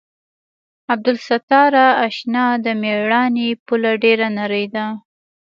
عبدالستاره اشنا د مېړانې پوله ډېره نرۍ ده.